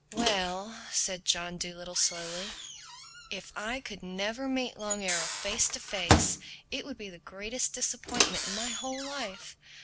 "Well," said John Dolittle slowly, "if I could never meet Long Arrow face to face it would be the greatest disappointment in my whole life.